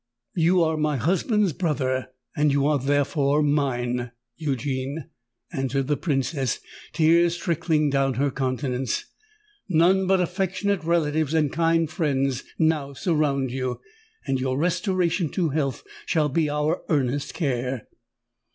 "You are my husband's brother—and you are therefore mine, Eugene," answered the Princess, tears trickling down her countenance. "None but affectionate relatives and kind friends now surround you; and your restoration to health shall be our earnest care!"